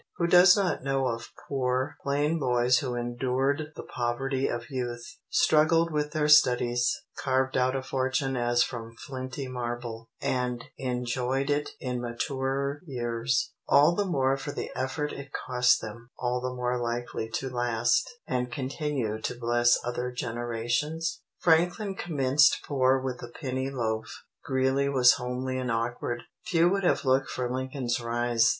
Who does not know of poor, plain boys who endured the poverty of youth, struggled with their studies, carved out a fortune as from flinty marble, and enjoyed it in maturer years, all the more for the effort it cost them, all the more likely to last and continue to bless other generations? Franklin commenced poor with a penny loaf; Greeley was homely and awkward. Few would have looked for Lincoln's rise.